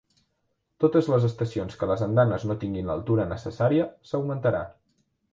Totes les estacions que les andanes no tinguin l'altura necessària, s'augmentarà.